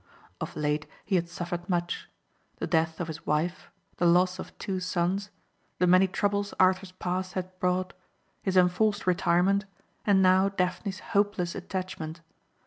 Of late he had suffered much. The death of his wife, the loss of two sons, the many troubles Arthur's past had brought, his enforced retirement and now Daphne's hopeless attachment.